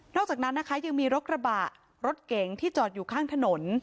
อกจากนั้นนะคะยังมีรถกระบะรถเก๋งที่จอดอยู่ข้างถนน